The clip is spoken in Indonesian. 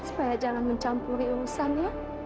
supaya jangan mencampuri urusan ya